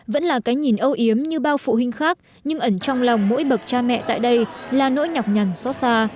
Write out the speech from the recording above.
vẫn là cái nhìn ấu yếm như bao phụ huynh khác nhưng ẩn trong lòng mỗi bậc cha mẹ tại đây là nỗi nhọc nhằn xót xa